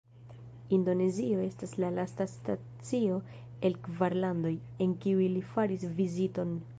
Indonezio estas la lasta stacio el la kvar landoj, en kiuj li faris viziton.